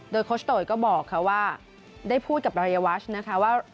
โดยโคชโตยก็บอกค่ะว่าได้พูดกับรายวัชนะคะว่า